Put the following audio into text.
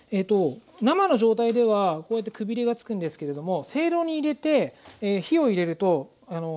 生の状態ではこうやってくびれが付くんですけれどもせいろに入れて火を入れると高さが今度グッと落ちてくるんですね。